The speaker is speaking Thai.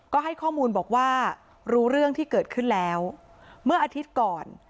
ก็ให้ข้อมูลบอกว่ารู้เรื่องที่เกิดขึ้นแล้วเมื่ออาทิตย์ก่อน